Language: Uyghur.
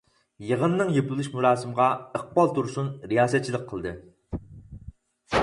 يېغىننىڭ يېپىلىش مۇراسىمغا ئىقبال تۇرسۇن رىياسەتچىلىك قىلدى.